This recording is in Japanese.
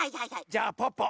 じゃあポッポ。